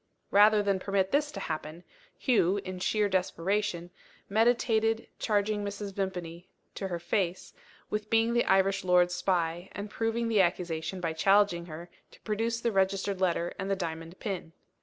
Rather than permit this to happen, Hugh (in sheer desperation) meditated charging Mrs. Vimpany, to her face, with being the Irish lord's spy, and proving the accusation by challenging her to produce the registered letter and the diamond pin.